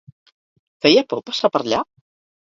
Feia por passar per allà?